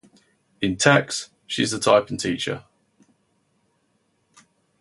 In "Tex", she is the typing teacher.